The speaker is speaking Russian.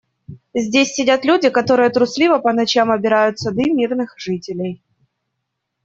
Здесь сидят люди, которые трусливо по ночам обирают сады мирных жителей.